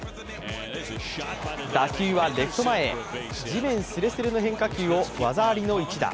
打球はレフト前へ、地面すれすれの変化球を技ありの一打。